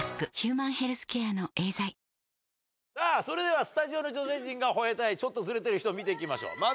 それではスタジオの女性陣が吠えたいちょっとズレてる人見ましょう。